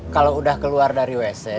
kalau udah keluar dari usc